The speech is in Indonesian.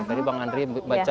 tadi bang andri baca